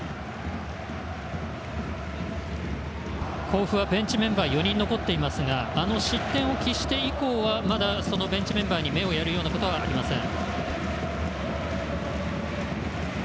甲府はベンチメンバー４人残っていますがあの失点を喫して以降はベンチメンバーに目をやるようなことはありません。